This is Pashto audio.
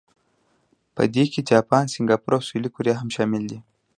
په دې کې جاپان، سنګاپور او سویلي کوریا هم شامل دي.